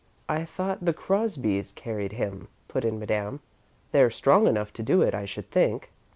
"I thought the Crosbys carried him," put in Madame. "They're strong enough to do it, I should think."